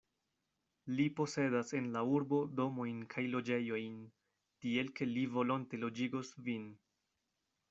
Li posedas en la urbo domojn kaj loĝejojn, tiel ke li volonte loĝigos vin.